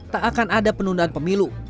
tak akan ada penundaan pemilu